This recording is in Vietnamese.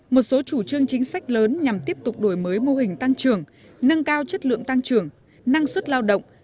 một số chủ trương chính sách lớn nhằm tiếp tục đổi mới mô hình tăng trưởng nâng cao chất lượng tăng trưởng năng suất lao động